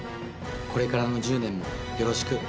これからの１０年もよろしく。